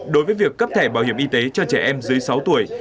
đối với việc cấp thẻ bảo hiểm y tế cho trẻ em dưới sáu tuổi